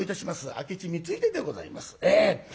明智光秀でございます。